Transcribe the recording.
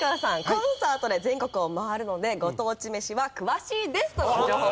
コンサートで全国を回るのでご当地めしは詳しいですと情報を頂きました。